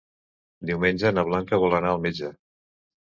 Diumenge na Blanca vol anar al metge.